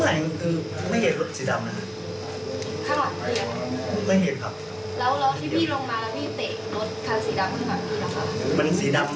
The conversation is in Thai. อ่ะแล้วที่พี่ลงมาพี่เตะชุดรถคันสีดำขึ้นมาบีหรือเปล่า